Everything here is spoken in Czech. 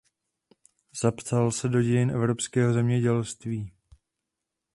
Zapsala se do dějin evropského zemědělství.